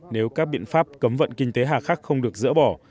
nếu các biện pháp cấm vận kinh tế hạ khắc không được dỡ bỏ